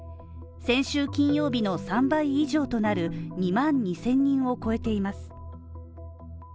先週金曜日の３倍以上となる２万２０００人を超えています